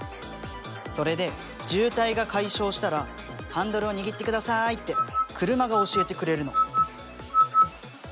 それで渋滞が解消したら「ハンドルを握ってください」って車が教えてくれるの。